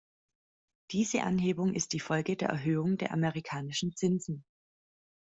Diese Anhebung ist die Folge der Erhöhung der amerikanischen Zinsen.